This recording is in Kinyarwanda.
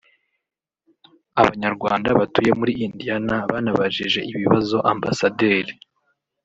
Abanyarwanda batuye muri Indiana banabajije ibibazo Ambasaderi